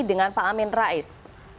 dengan pak amin rais